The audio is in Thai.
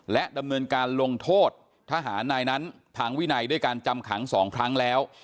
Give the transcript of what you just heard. และดำเนินการลงโทษทหารนายนั้นทางวินัยด้วยการจำขัง๒ครั้งแล้ว